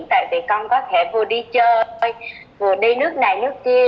tại vì con có thể vừa đi chơi vừa đi nước này nước kia